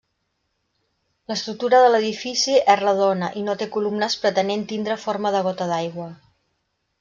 L'estructura de l'edifici és redona i no té columnes pretenent tindre forma de gota d'aigua.